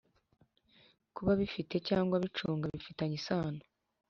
kuba bifite cyangwa bicunga bifitanye isano